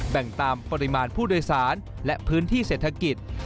แบ่งตามปริมาณผู้โดยสารและพื้นที่เศรษฐกิจ